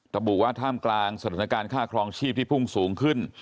ระบุว่าท่ามกลางสถานการณ์ค่าครองชีพที่พุ่งสูงขึ้น